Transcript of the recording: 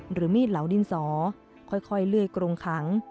หรือมีดเหลาดินสอค่อยเลื่อยกรงขัง